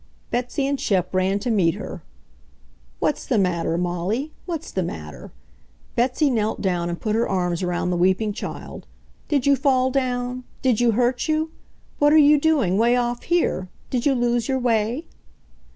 Betsy and Shep ran to meet her. "What's the matter, Molly? What's the matter?" Betsy knelt down and put her arms around the weeping child. "Did you fall down? Did you hurt you? What are you doing 'way off here? Did you lose your way?"